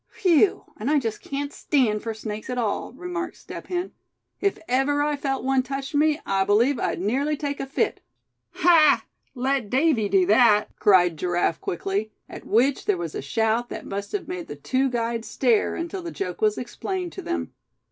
"Whew! and I just can't stand for snakes at all," remarked Step Hen. "If ever I felt one touch me, I believe I'd nearly take a fit." "Ha! let Davy do that!" cried Giraffe, quickly; at which there was a shout that must have made the two guides stare, until the joke was explained to them.